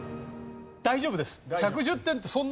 大丈夫です。